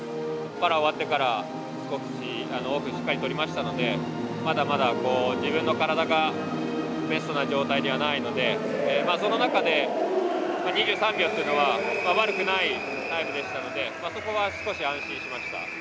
パラ終わってから少しオフしっかりとりましたのでまだまだ、自分の体がベストな状態ではないのでその中で２３秒というのは悪くないタイムでしたのでそこは少し安心しました。